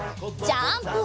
ジャンプ！